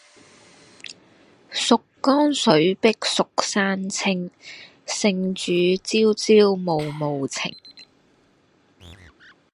蜀江水碧蜀山青，聖主朝朝暮暮情。